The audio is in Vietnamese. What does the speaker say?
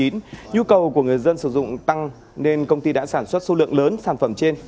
nhu cầu của người dân sử dụng tăng nên công ty đã sản xuất số lượng lớn sản phẩm trên